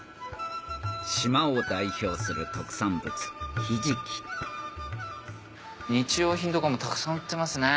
島を代表する特産物ひじき日用品とかもたくさん売ってますね。